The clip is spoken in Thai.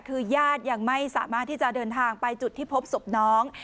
คือญาติยังไม่สามารถที่จะเดินทางไปจุดที่พบศพน้อง